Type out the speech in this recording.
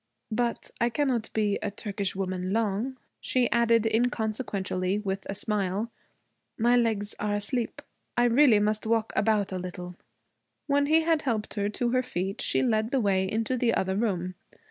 'But I cannot be a Turkish woman long!' she added inconsequently with a smile. 'My legs are asleep. I really must walk about a little.' When he had helped her to her feet she led the way into the other room.